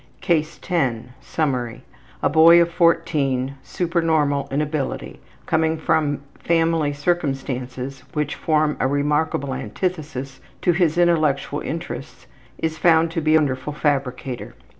CASE 10 Summary: A boy of 14, supernormal in ability, coming from family circumstances which form a remarkable antithesis to his intellectual interests, is found to be a wonderful fabricator.